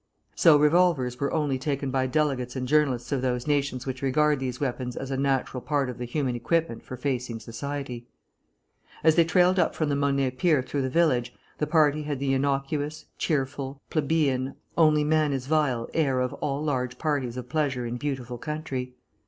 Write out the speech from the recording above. So revolvers were only taken by delegates and journalists of those nations which regard these weapons as a natural part of the human equipment for facing society. As they trailed up from the Monet pier through the village, the party had the innocuous, cheerful, plebeian, only man is vile air of all large parties of pleasure in beautiful country.